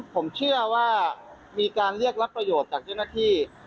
ผมเชื่อว่ามีการเรียกรับประโยชน์จากเจ้าหน้าที่